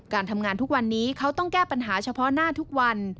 การทำงานทุกวันนี้เขาต้องแก้ปัญหาเฉพาะหน้าทุกวัน